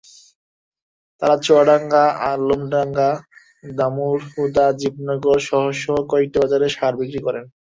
তাঁরা চুয়াডাঙ্গা, আলমডাঙ্গা, দামুড়হুদা, জীবননগর শহরসহ কয়েকটি বাজারে সার বিক্রি করেন।